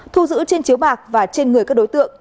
thu giữ trên chiếu bạc và trên người các đối tượng